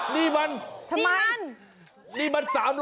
นี่มันทำไมนี่มัน๓๐๐